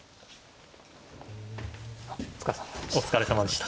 お疲れさまでした。